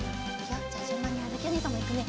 じゃあじゅんばんにあづきおねえさんもいくね。